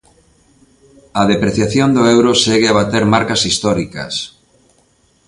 A depreciación do euro segue a bater marcas históricas.